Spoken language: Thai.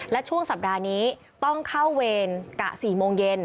และช่วงสัปดาห์นี้ต้องเข้าเวรกะ๔โมงเย็น